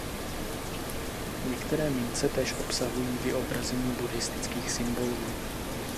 Některé mince též obsahují vyobrazení buddhistických symbolů.